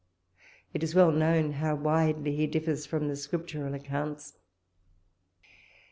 It is well known how widely he differs from the scriptural accounts.